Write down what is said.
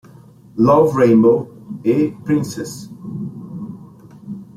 Love Rainbow" e "Princess!